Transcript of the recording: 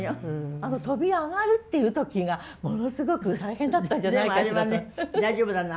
あの飛び上がるっていう時がものすごく大変だったんじゃないかしら。